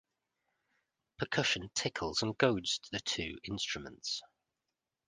Percussion tickles and goads the two instruments.